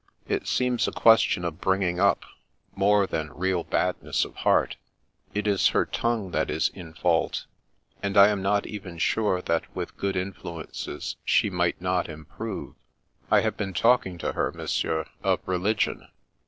It seems a question of bringing up, more than real badness of heart. It is her tongue that is in fault; and I Afternoon Calls 145 am not even sure that with good influences she might not improve. I have been talking to her, Monsieur, of religion.